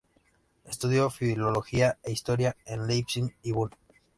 Estudió Filología e Historia en Leipzig y Bonn.